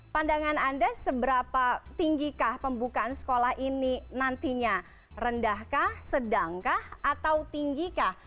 pandangan anda seberapa tinggikah pembukaan sekolah ini nantinya rendahkah sedangkah atau tinggikah